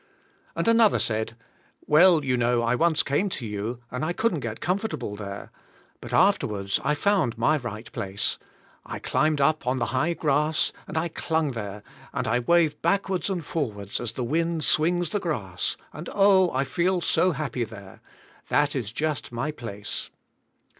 And another said, "Well, you know I once came to you, and I couldn't get comfortable there. But after wards I found my right place. I climbed up on the high grass and I clung there and I wave backwards and forwards as the wind swings the grass, and oh, I feel so happy there. That is just my place."